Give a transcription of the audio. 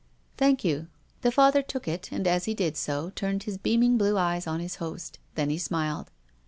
" Thank you." The Father took it, and, as he did so, turned his beaming blue eyes on his host. Then he smiled.